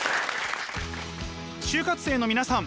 就活生の皆さん